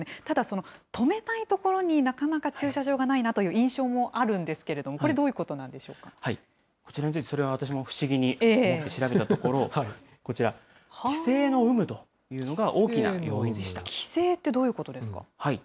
ただ止めたい所になかなか駐車場がないなという印象もあるんですけれども、これ、どういうことなこちらについて私も不思議に思って調べたところ、こちら、規制の有無というのが大きな要因で規制ってどういうことですか